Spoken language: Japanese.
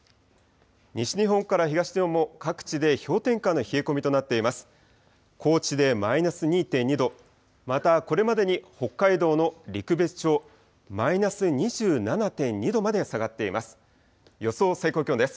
西日本から東日本も各地で氷点下の冷え込みとなっています。